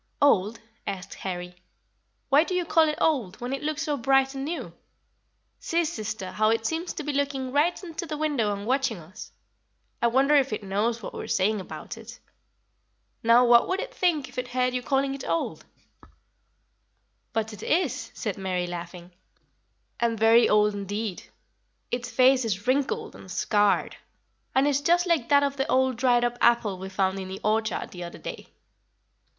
"Old?" asked Harry; "why do you call it old, when it looks so bright and new? See, sister, how it seems to be looking right into the window and watching us. I wonder if it knows what we are saying about it. Now what would it think if it heard you calling it old?" [Illustration: THE MOON.] "But it is," said Mary, laughing; "and very old indeed. Its face is wrinkled and scarred, and is just like that of the old dried up apple we found in the orchard the other day."